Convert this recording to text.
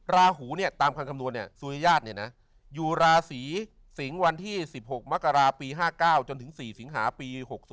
ลาหูเนี่ยตามคำนวณเนี่ยสุริยาตรเนี่ยนะอยู่ลาสีสิงห์วันที่๑๖มกรปี๕๙จนถึง๔สิงห์ปี๖๐